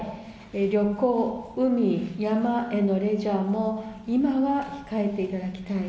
旅行、海、山へのレジャーも、今は控えていただきたい。